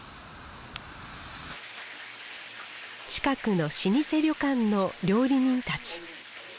近くの老舗旅館の料理人たち。